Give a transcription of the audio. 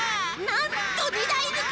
なんと２だいぬき！